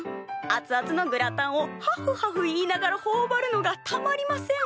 アツアツのグラタンをはふはふ言いながらほおばるのがたまりません！